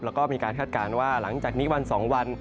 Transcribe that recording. แล้วก็มีการคาดการณ์ว่าหลังจากนี้วัน๒วัน